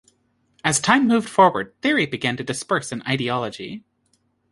As time moved forward, theory began to disperse in ideology.